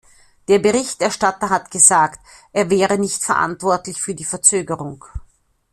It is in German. Der Berichterstatter hat gesagt, er wäre nicht verantwortlich für die Verzögerung.